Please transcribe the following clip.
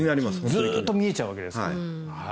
ずっと見えちゃうわけですから。